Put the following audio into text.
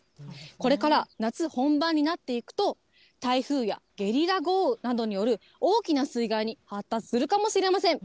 これから夏本番になっていくと、台風やゲリラ豪雨などによる大きな水害に発達するかもしれません。